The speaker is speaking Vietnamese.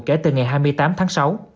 kể từ ngày hai mươi tám tháng sáu